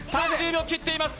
３０秒切ってます。